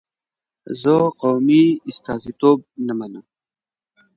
زه قومي استازیتوب نه منم.